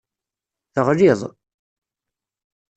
Teɣliḍ.